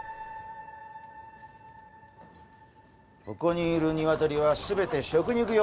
ここにいるニワトリは全て食肉用だ。